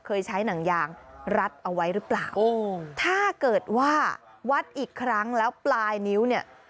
เคยใช้หนังยางรัดเอาไว้หรือเปล่าโอ้ถ้าเกิดว่าวัดอีกครั้งแล้วปลายนิ้วเนี่ย